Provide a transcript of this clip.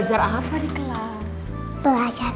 tungguronics kampungultural pamitra kartu